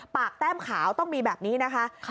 แต้มขาวต้องมีแบบนี้นะคะ